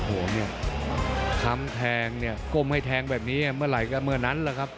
โอ้โหเนี่ยคำแทงเนี่ยก้มให้แทงแบบนี้เมื่อไหร่ก็เมื่อนั้นแหละครับ